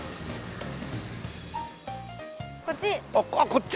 こっち！